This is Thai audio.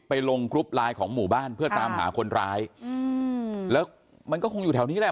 ลงกรุ๊ปไลน์ของหมู่บ้านเพื่อตามหาคนร้ายอืมแล้วมันก็คงอยู่แถวนี้แหละ